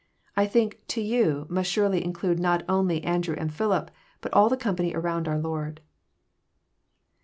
I think " to yon " mast sarely include not only Andrew and Philip, bat all the company aronnd oar Lord.